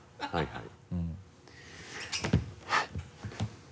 はい。